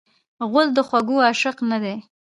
غول د خوږو عاشق نه دی.